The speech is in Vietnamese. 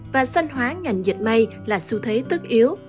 và xanh hóa ngành dệt may là xu thế tức yếu